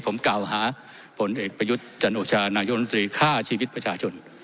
ผมกล่าวหาผลเอกประยุทธ์จันโอชานายกรรมตรีฆ่าชีวิตประชาชน